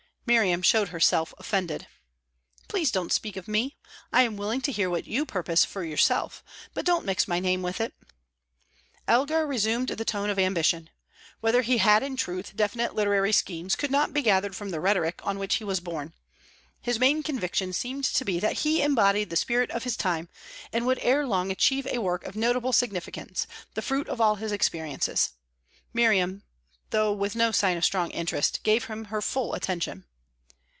Miriam showed herself offended. "Please don't speak of me. I am willing to hear what you purpose for yourself, but don't mix my name with it." Elgar resumed the tone of ambition. Whether he had in truth definite literary schemes could not be gathered from the rhetoric on which he was borne. His main conviction seemed to be that he embodied the spirit of his time, and would ere long achieve a work of notable significance, the fruit of all his experiences. Miriam, though with no sign of strong interest, gave him her full attention.